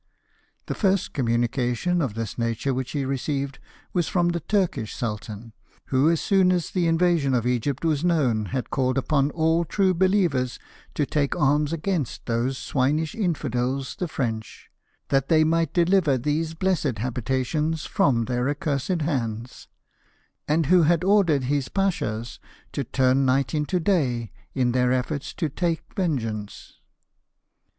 The first 150 LIFE OF NELSON. cominimication of this nature whicli he received was from the Turkish Sultan, who as soon as the invasion of Egypt was known had called upon "all true believers to take arms against those swinish infidels the French, that they might deliver these blessed habitations from their accursed hands ; and who had ordered his pashas to turn night into day in their efforts to take vengeance."